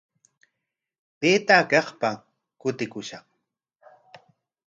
Taytaa kaqpa kutikushaq.